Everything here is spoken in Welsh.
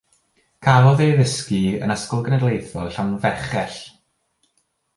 Cafodd ei addysgu yn Ysgol Genedlaethol Llanfechell.